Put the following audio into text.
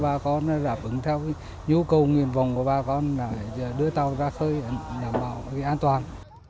và tàu thuyền đã đạt kỳ đông mới trong năm mới này